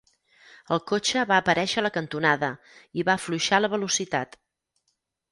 El cotxe va aparèixer a la cantonada i va afluixar la velocitat.